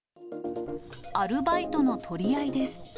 アルバイトの取り合いです。